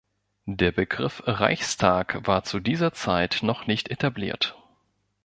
Der Begriff Reichstag war zu dieser Zeit noch nicht etabliert.